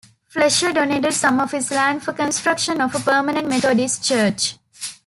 Flesher donated some of his land for construction of a permanent Methodist church.